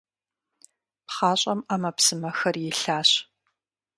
ПхъащӀэм Ӏэмэпсымэхэр илъащ.